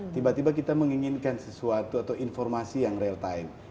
tiba tiba kita menginginkan sesuatu atau informasi yang real time